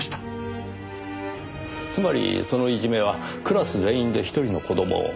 つまりそのいじめはクラス全員で一人の子供を？